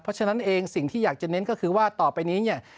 เพราะฉะนั้นเองสิ่งที่อยากจะเน้นก็คือว่าต่อไปนี้เนี่ย